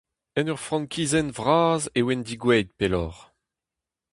En ur frankizenn vras e oant degouezhet, pelloc'h.